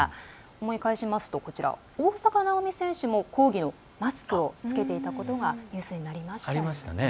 思い返しますと大坂なおみ選手も抗議のマスクを着けていたことがニュースになりました。